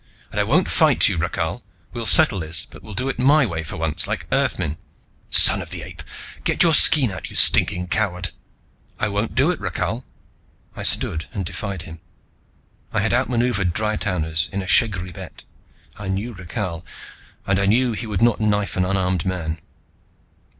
And I won't fight you, Rakhal. We'll settle this, but we'll do it my way for once, like Earthmen." "Son of the Ape! Get your skean out, you stinking coward!" "I won't do it, Rakhal." I stood and defied him. I had outmaneuvered Dry towners in a shegri bet. I knew Rakhal, and I knew he would not knife an unarmed man.